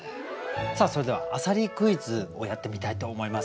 さあそれでは浅蜊クイズをやってみたいと思います。